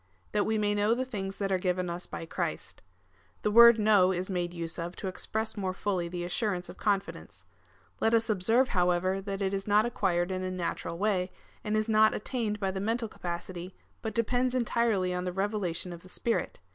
^ That we may know the things that are given us by Christ. The word know is made use of to express more fully the assurance of confidence. Let us observe, however, that it is not acquired in a natural way, and is not attained by the mental capacity, but depends entirely on the revelation of the Spirit.